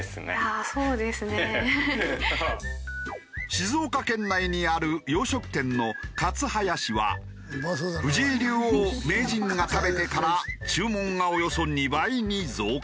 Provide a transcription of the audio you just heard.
静岡県内にある洋食店のカツハヤシは藤井竜王・名人が食べてから注文がおよそ２倍に増加。